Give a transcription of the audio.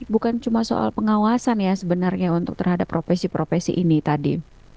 bukan cuma soal pengawasan ya sebenarnya untuk terhadap profesi profesi ini tadi